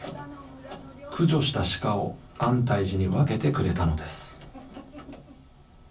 駆除した鹿を安泰寺に分けてくれたのです。